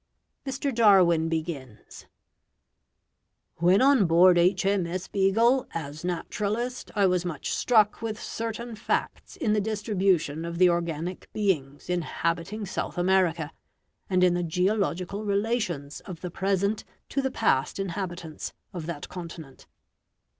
Mr. Darwin begins: "When on board H.M.S. Beagle, as naturalist, I was much struck with certain facts in the distribution of the organic beings inhabiting South America, and in the geological relations of the present to the past inhabitants of that continent.